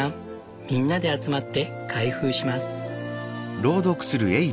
みんなで集まって開封します」。